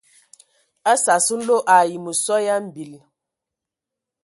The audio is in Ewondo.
A sas nlo ai məsɔ ya mbil.